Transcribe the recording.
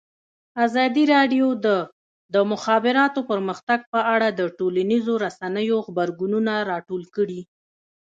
ازادي راډیو د د مخابراتو پرمختګ په اړه د ټولنیزو رسنیو غبرګونونه راټول کړي.